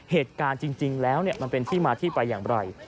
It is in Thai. เหตุการณ์จริงแล้วมันเป็นที่มาที่ไปอย่างไร